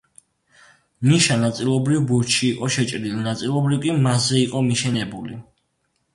ნიშა ნაწილობრივ ბურჯში იყო შეჭრილი, ნაწილობრივ კი მასზე იყო მიშენებული.